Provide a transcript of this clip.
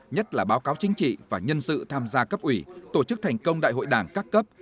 nhất là báo cáo chính trị và nhân sự tham gia cấp ủy tổ chức thành công đại hội đảng các cấp